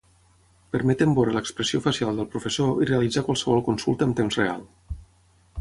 Permeten veure l'expressió facial del professor i realitzar qualsevol consulta en temps real.